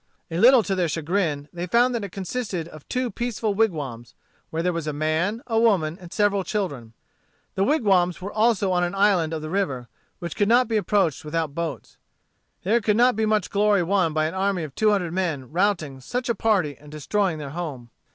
A little to their chagrin they found that it consisted of two peaceful wigwams, where there was a man, a woman, and several children. The wigwams were also on an island of the river, which could not be approached without boats. There could not be much glory won by an army of two hundred men routing such a party and destroying their home.